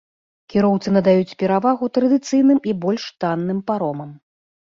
Кіроўцы надаюць перавагу традыцыйным і больш танным паромам.